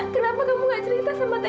kenapa kamu nggak cerita sama teteh